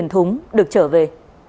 thủy thúng được trở về